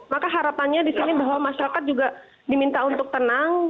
maka harapannya di sini bahwa masyarakat juga diminta untuk tenang